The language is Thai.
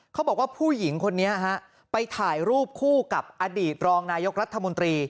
เขาบอกว่าผู้หญิงคนนี้ฮะไปถ่ายรูปคู่กับอดีตรองนายกรัฐมนตรี